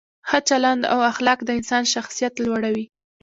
ښه چلند او اخلاق د انسان شخصیت لوړوي.